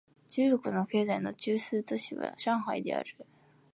中国の経済の中枢都市は上海である